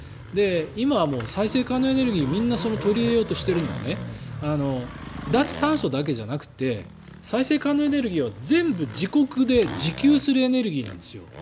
今、再生可能エネルギーをみんな取り入れようとしているのは脱炭素だけじゃなくて再生可能エネルギーは全部、自国で自給するエネルギーなんですよ。